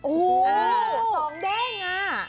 อู๋สองเด้งอ่ะ